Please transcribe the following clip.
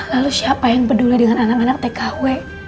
lalu siapa yang peduli dengan anak anak tkw